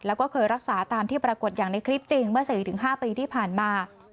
แล้วก็เคยรักษาตามที่ปรากฏอย่างในคลิปจริงเมื่อ๔๕ปีที่ผ่านมา